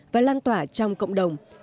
và lan tỏa trong cộng đồng